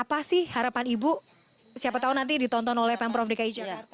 apa sih harapan ibu siapa tahu nanti ditonton oleh pemprov dki jakarta